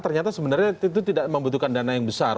ternyata sebenarnya itu tidak membutuhkan dana yang besar